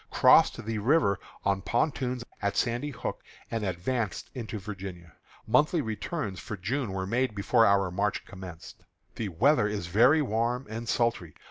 crossed the river on pontoons at Sandy Hook, and advanced into Virginia. Monthly returns for June were made before our march commenced. The weather is very warm and sultry.